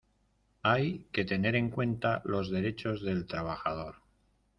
Hay que tener en cuenta los derechos del trabajador.